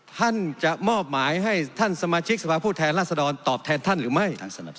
ท่านจะมอบหมายให้ท่านสมาชิกสภาพผู้แทนราษฎรตอบแทนท่านหรือไม่